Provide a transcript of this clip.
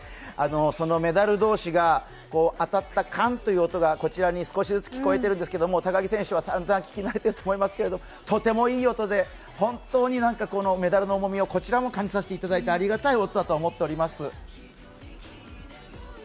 そのメダル同士が当たった「カン」という音はこちらにも聞こえてきますけれども、高木選手はさんざん聞き慣れていると思いますけれども、とてもいい音で、本当にメダルの重みをこちらも感じさせていただいてありがたい音だと思っております。